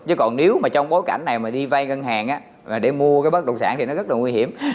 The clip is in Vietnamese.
chứ còn nếu mà trong bối cảnh này mà đi vay ngân hàng để mua cái bất động sản thì nó rất là nguy hiểm